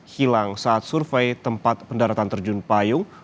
hilang saat survei tempat pendaratan terjun payung